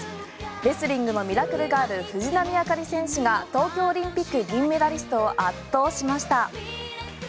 レスリングのミラクルガール藤波朱理選手が東京オリンピックの銀メダリストを圧倒しました。